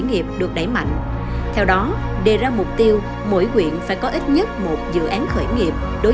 nghiệp được đẩy mạnh theo đó đề ra mục tiêu mỗi quyện phải có ít nhất một dự án khởi nghiệp đối